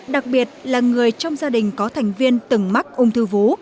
đặc biệt là người trong gia đình có thành viên từng mắc ung thư vú